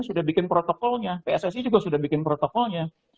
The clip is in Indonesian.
sudah bikin protokolnya pssi juga sudah bikin protokolnya